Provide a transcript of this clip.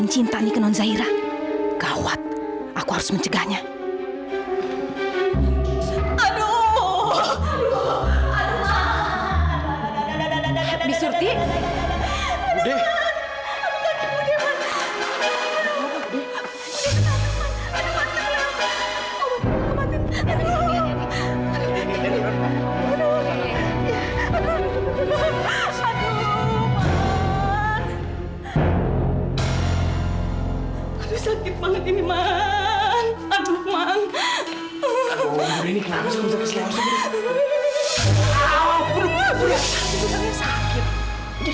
jadi juara aku sih kenapa sih